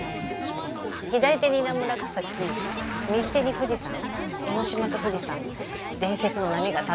左手に稲村ガ崎右手に富士山江の島と富士山伝説の波が立つ。